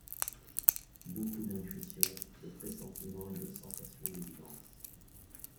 Beaucoup d’intuitions, de pressentiments et de sensations d’évidence…